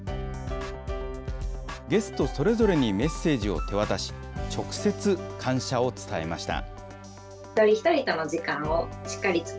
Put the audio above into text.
ゲストそれぞれにメッセージを手渡し、直接、感謝を伝えました。